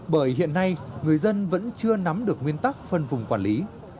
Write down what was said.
bởi hiện nay người dân vẫn chưa nắm được nguyên tắc phân vùng quản lý